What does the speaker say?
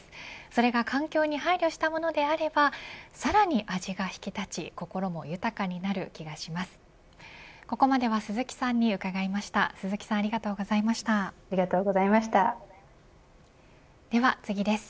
それが環境に配慮したものであればさらに味が引き立ち心も豊かになる気がします。